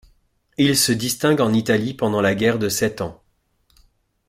Il se distingue en Italie pendant la guerre de Sept Ans.